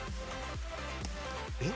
えっ？